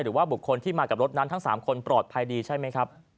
หรือว่าบุคคลที่มากับรถนั้นทั้ง๓คนปลอดภัยดีใช่ไหมครับ